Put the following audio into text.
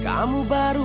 kamu baru tau